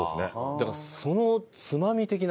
だからそのつまみ的な。